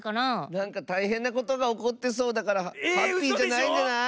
なんかたいへんなことがおこってそうだからハッピーじゃないんじゃない？